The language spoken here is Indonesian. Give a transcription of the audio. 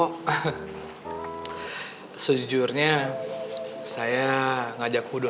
oke mas sampai ketemu